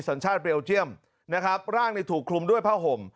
สัญชาติเบลเจียมนะครับร่างถูกคลุมด้วยผ้าห่ม